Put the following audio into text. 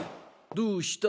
どうした？